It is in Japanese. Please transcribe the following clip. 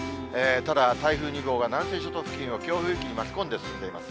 ただ、台風２号が南西諸島付近を強風域に巻き込んで進んでいます。